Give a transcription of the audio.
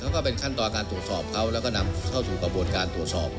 ก็เป็นขั้นตอนการตรวจสอบเขาแล้วก็นำเข้าสู่กระบวนการตรวจสอบ